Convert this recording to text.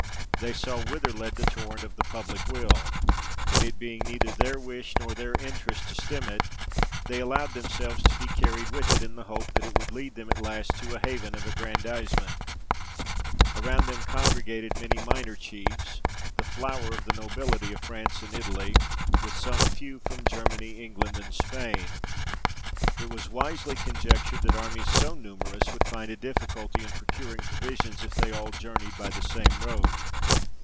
They saw whither led the torrent of the public will; and it being neither their wish nor their interest to stem it, they allowed themselves to be carried with it, in the hope that it would lead them at last to a haven of aggrandisement. Around them congregated many minor chiefs, the flower of the nobility of France and Italy, with some few from Germany, England, and Spain. It was wisely conjectured that armies so numerous would find a difficulty in procuring provisions if they all journeyed by the same road.